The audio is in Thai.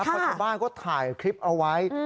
ประจำบ้านก็ถ่ายคลิปเอาไว้